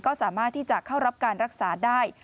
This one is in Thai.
ก็สามารถที่จะเข้ารับการรักษาได้